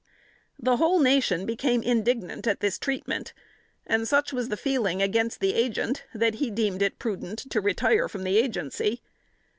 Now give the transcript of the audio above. The whole Nation became indignant at this treatment, and such was the feeling against the agent that he deemed it prudent to retire from the agency.